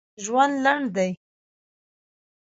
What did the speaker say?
ژوند لنډ دی